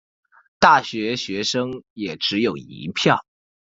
大学学生也只有一票